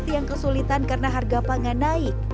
yang kesulitan karena harga pangan naik